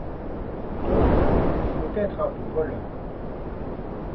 Donc il faut être un peu voleurs. —